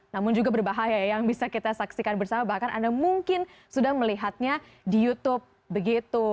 namun juga berbahaya yang bisa kita saksikan bersama bahkan anda mungkin sudah melihatnya di youtube begitu